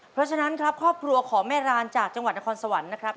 เพราะฉะนั้นครับครอบครัวของแม่รานจากจังหวัดนครสวรรค์นะครับ